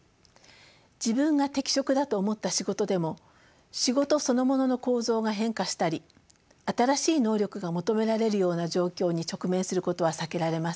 自分が適職だと思った仕事でも仕事そのものの構造が変化したり新しい能力が求められるような状況に直面することは避けられません。